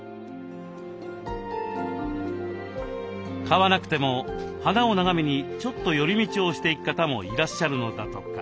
買わなくても花を眺めにちょっと寄り道をしていく方もいらっしゃるのだとか。